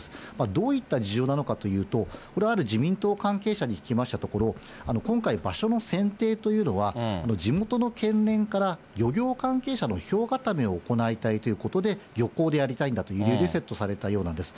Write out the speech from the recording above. どういった事情なのかというと、これはある自民党関係者に聞きましたところ、今回、場所の選定というのは、地元の県連から漁業関係者の票固めを行いたいということで、漁港でやりたいんだという理由でセットされたようなんです。